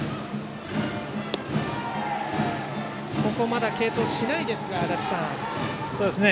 まだ継投しないですか足達さん。